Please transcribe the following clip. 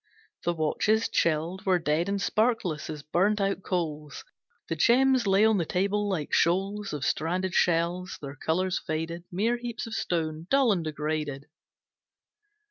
The watches, chilled, Were dead and sparkless as burnt out coals. The gems lay on the table like shoals Of stranded shells, their colours faded, Mere heaps of stone, dull and degraded.